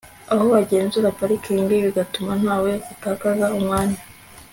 aho bagenzura parikingi bigatuma ntawe utakaza umwanya